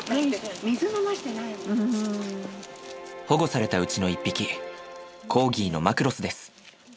保護されたうちの１匹コーギーのマクロスです。